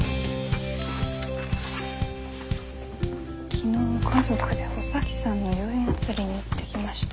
「昨日家族でおさきさんの宵祭りに行ってきました。